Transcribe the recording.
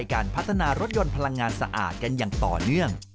การพัฒนารถยนต์พลังงานสะอาดกันอย่างต่อเนื่อง